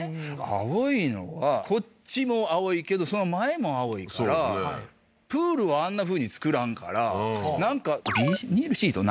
青いのがこっちも青いけどその前も青いからプールはあんなふうに造らんからなんかビニールシート？